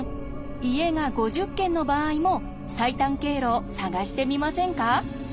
家が５０軒の場合も最短経路を探してみませんか？